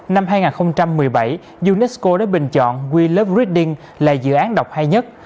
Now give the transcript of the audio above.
năm hai nghìn một mươi bảy unesco đã bình chọn we love reading là dự án đọc hay nhất